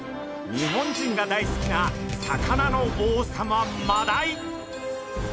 日本人が大好きな魚の王様マダイ。